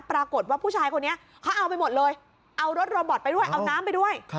ปรากฏว่าผู้ชายคนนี้เขาเอาไปหมดเลยเอารถโรบอตไปด้วยเอาน้ำไปด้วย